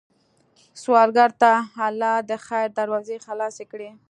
سوالګر ته الله د خیر دروازې خلاصې کړې